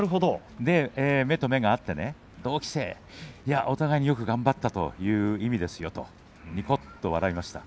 目と目が合ってねお互いによく頑張ったという意味ですよ。とにこっと笑いました。